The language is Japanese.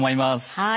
はい。